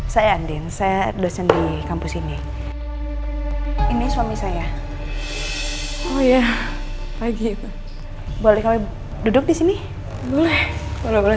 saya andin saya dosen di kampus ini ini suami saya oh ya pagi boleh kami duduk di sini boleh boleh